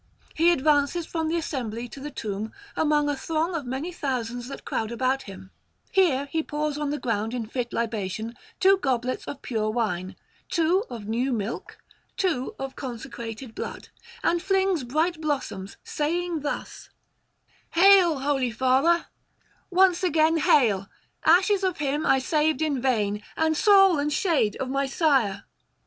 He advances from the assembly to the tomb among a throng of many thousands that crowd about him; here he pours on the ground in fit libation two goblets of pure wine, two of new milk, two of consecrated blood, and flings bright blossoms, saying thus: 'Hail, holy father, once again; hail, ashes of him I saved in vain, and soul and shade of my sire!